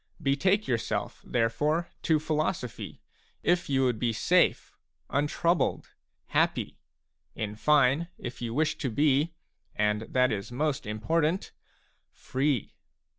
Betake yourself therefore to philosophy if you would be safe, untroubled, happy, in fine, if you wish to be, — and that is most important, — free.